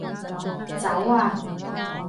走啊